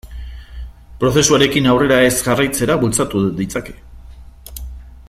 Prozesuarekin aurrera ez jarraitzera bultzatu ditzake.